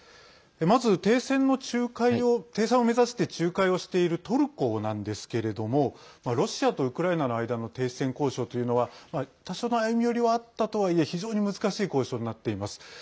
まず停戦を目指して仲介しているトルコなんですけれどもロシアとウクライナの間の停戦交渉というのは多少の歩み寄りはあったとはいえ非常に難しい交渉になっています。